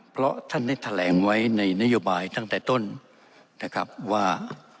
เพราะท่านได้แถลงไว้ในนโยบายตั้งแต่ต้นนะครับว่า